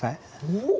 おっ。